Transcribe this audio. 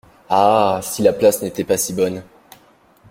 Ah ! si la place n’était pas si bonne !…